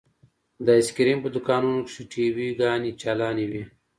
د ايسکريم په دوکانونو کښې ټي وي ګانې چالانې وې.